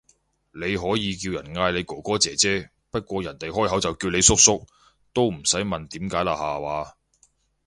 你可以叫人嗌你哥哥姐姐，不過人哋開口就叫你叔叔，都唔使問點解啦下話